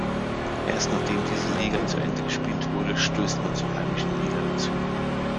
Erst nachdem diese Liga zu Ende gespielt wurde stößt man zur heimischen Liga dazu.